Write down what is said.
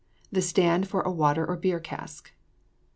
The stand for a water or beer cask.